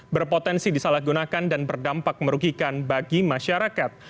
berpotensi disalahgunakan dan berdampak merugikan bagi masyarakat